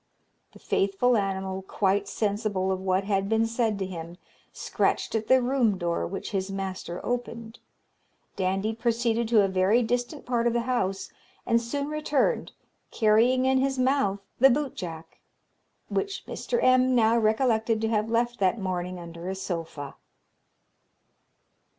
The faithful animal, quite sensible of what had been said to him, scratched at the room door, which his master opened. Dandie proceeded to a very distant part of the house, and soon returned, carrying in his mouth the bootjack, which Mr. M. now recollected to have left that morning under a sofa.